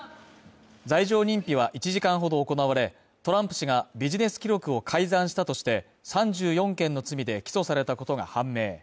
罪状認否は１時間ほど行われ、トランプ氏がビジネス記録を改ざんしたとして３４件の罪で起訴されたことが判明。